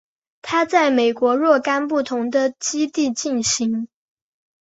它在美国若干不同的基地进行。